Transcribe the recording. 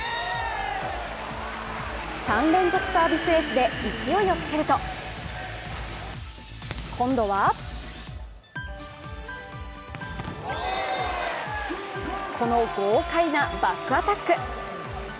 ３連続サービスエースで勢いをつけると今度はこの豪快なバックアタック。